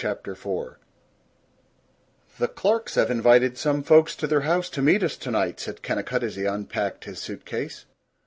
CHAPTER IV I "THE Clarks have invited some folks to their house to meet us, tonight," said Kennicott, as he unpacked his suit case.